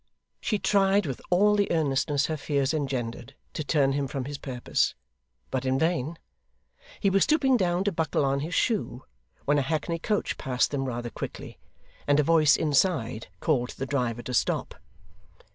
She tried with all the earnestness her fears engendered, to turn him from his purpose, but in vain. He was stooping down to buckle on his shoe, when a hackney coach passed them rather quickly, and a voice inside called to the driver to stop.